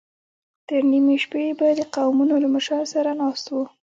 تر نيمې شپې به د قومونو له مشرانو سره ناست و.